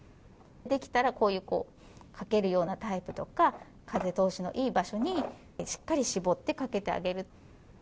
できたらかけるようなタイプとか風通しのいい場所にしっかり絞ってかけてあげる。